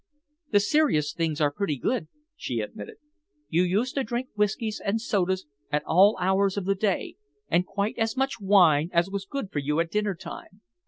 "The serious things are pretty good," she admitted. "You used to drink whiskys and sodas at all hours of the day, and quite as much wine as was good for you at dinner time.